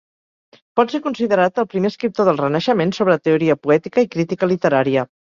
Pot ser considerat el primer escriptor del Renaixement sobre teoria poètica i crítica literària.